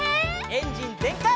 エンジンぜんかい！